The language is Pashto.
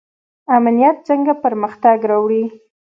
امنیت څنګه پرمختګ راوړي؟